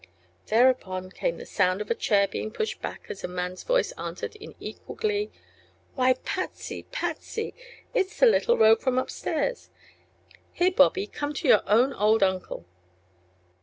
Thereupon came the sound of a chair being pushed back as a man's voice answered in equal glee: "Why, Patsy, Patsy! it's the little rogue from upstairs. Here, Bobby; come to your own old Uncle!"